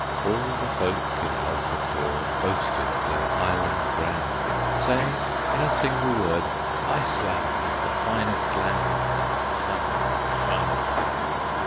All the folk in Altafiord Boasted of their island grand; Saying in a single word, "Iceland is the finest land That the sun Doth shine upon!"